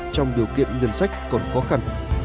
trong điều kiện ngân sách còn khó khăn